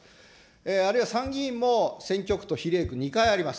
あるいは参議院も、選挙区と比例区、２回あります。